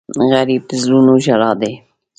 غریب د زړونو ژړا دی